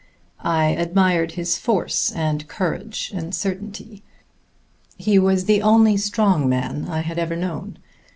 I admired his force and courage and certainty; he was the only strong man I had ever known.